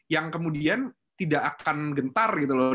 yang kemudian tidak akan gentar gitu loh